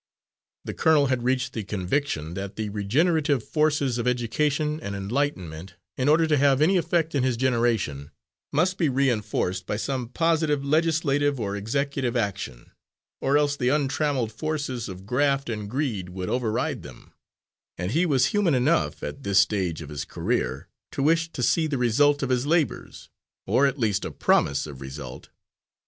The colonel had reached the conviction that the regenerative forces of education and enlightenment, in order to have any effect in his generation, must be reinforced by some positive legislative or executive action, or else the untrammelled forces of graft and greed would override them; and he was human enough, at this stage of his career to wish to see the result of his labours, or at least a promise of result.